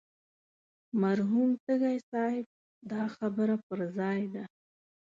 مرحوم تږي صاحب دا خبره پر ځای ده.